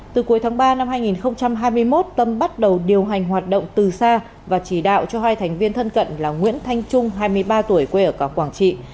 từ cuối tháng ba năm hai nghìn hai mươi một tâm bắt đầu điều hành hoạt động từ xa và chỉ đạo cho hai thành viên thân cận là nguyễn thanh trung hai mươi ba tuổi quê ở quảng trị